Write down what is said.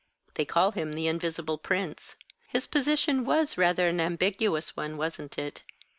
They call him the Invisible Prince. His position was rather an ambiguous one, wasn't it?